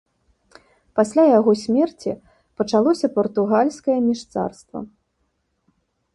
Пасля яго смерці пачалося партугальскае міжцарства.